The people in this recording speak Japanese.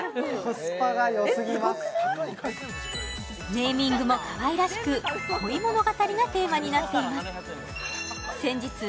ネーミングもかわいらしく恋物語がテーマになっています